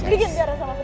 balingin tiara sama aku